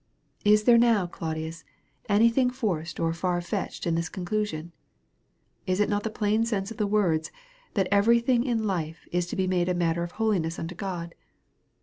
Is there now, Claudius, any thing forced or far fetched in this conclusion ? Is it not the plain sense of the words, that every thing in life is to be made a matter of holiness unto God